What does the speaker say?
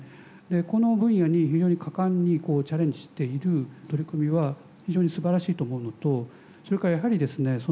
この分野に非常に果敢にチャレンジしている取り組みは非常にすばらしいと思うのとそれからやはりですね